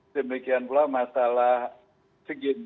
demikian pula masalah segini